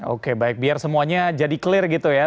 oke baik biar semuanya jadi clear gitu ya